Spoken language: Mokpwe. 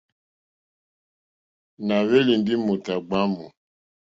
Nà hwélì ndí mòtà ɡbwǎmù.